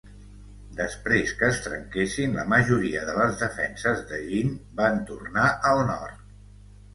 Després que es trenquessin la majoria de les defenses de Jin, van tornar al nord.